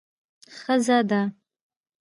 ښځه ده.